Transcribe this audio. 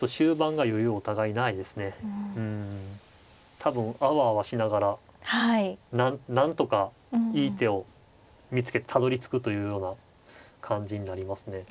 多分あわあわしながらなんとかいい手を見つけてたどりつくというような感じになりますね。